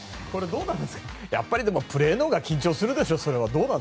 でも、やっぱりプレーのほうが緊張するでしょ？